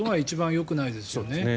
よくないですよね。